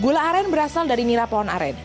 gula arang berasal dari nira pohon arang